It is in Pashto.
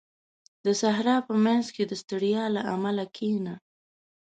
• د صحرا په منځ کې د ستړیا له امله کښېنه.